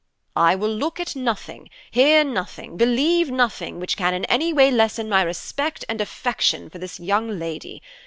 "I will look at nothing, hear nothing, believe nothing which can in any way lessen my respect and affection for this young lady.